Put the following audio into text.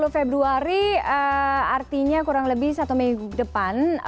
dua puluh februari artinya kurang lebih satu minggu depan